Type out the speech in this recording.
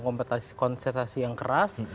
kontestasi yang keras